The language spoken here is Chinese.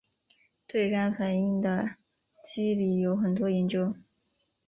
对该反应的机理有很多研究。